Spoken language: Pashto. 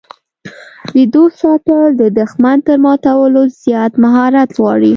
د دوست ساتل د دښمن تر ماتولو زیات مهارت غواړي.